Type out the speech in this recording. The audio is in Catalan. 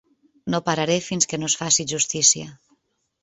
No pararé fins que no es faci justícia.